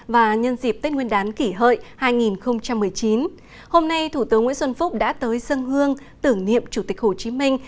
và nhân dịp tết nguyên đán kỷ hợi hai nghìn một mươi chín hôm nay thủ tướng nguyễn xuân phúc đã tới dân hương tưởng niệm chủ tịch hồ chí minh